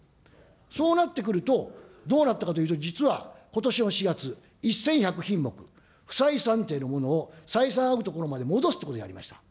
そうなってくると、どうなったかというと、実はことしの４月、１１００品目、ふさいさんていのものを採算合うところまで戻すというところまでやりました。